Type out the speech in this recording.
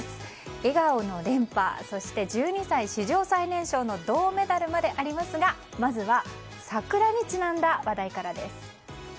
笑顔の連覇そして１２歳史上最年少の銅メダルまでありますがまずは桜にちなんだ話題からです。